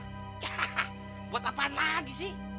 hahaha buat apa lagi sih